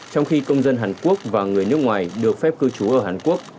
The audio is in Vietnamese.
trong khi công dân hàn quốc và người nước ngoài được phép cư trú ở hàn quốc